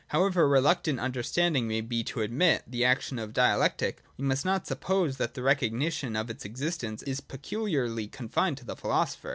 However reluctant Understanding may be to admit the action of Dialectic, we must not suppose that the recognition of its existence is peculiarly confined to the philosopher.